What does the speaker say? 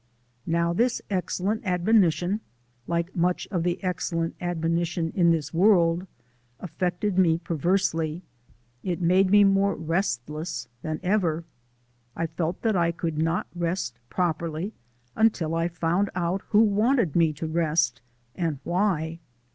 Now this excellent admonition like much of the excellent admonitions in this world affected me perversely: it made me more restless than ever. I felt that I could not rest properly until I found out who wanted me to rest, and why.